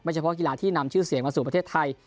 เฉพาะกีฬาที่นำชื่อเสียงมาสู่ประเทศไทย